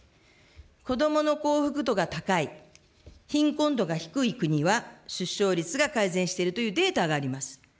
子どもの幸福度が高い、貧困度が低い国は、出生率が改善しているというデータがあります。